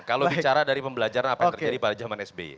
kalau bicara dari pembelajaran apa yang terjadi pada zaman sby